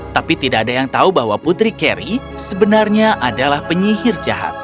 tapi tidak ada yang tahu bahwa putri carry sebenarnya adalah penyihir jahat